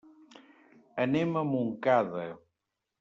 Anem a Montcada.